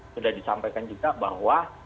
sudah disampaikan juga bahwa